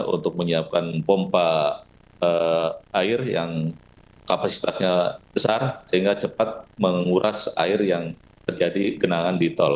untuk menyiapkan pompa air yang kapasitasnya besar sehingga cepat menguras air yang terjadi genangan di tol